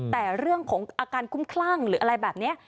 แต่เรื่องของอาการคุ้มคลั่งหรืออะไรแบบนี้